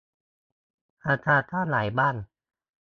ราคาเท่าไหร่บ้าง